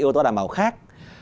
ưu tố đảm bảo khác